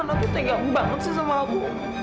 aku tegang banget sih sama aku